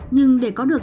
nhưng để có được